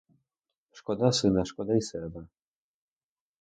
Шкода сина, шкода й себе!